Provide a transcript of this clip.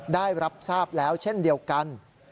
ได้รับทราบแล้วเช่นเดียวกัน